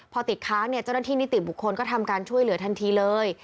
พอติดค้างเนี่ยเจ้าหน้าที่นิติบุคคลก็ทำการช่วยเหลือทันทีเลย